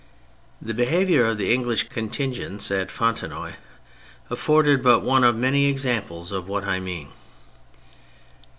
The behaviour of the English contingents at Fontenoy afford but one of many examples of what I mean.